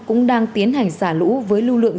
cũng đang tiến hành xả lũ với lưu lượng